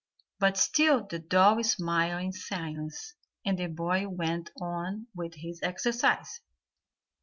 But still the doll smiled in silence, and the boy went on with his exercise.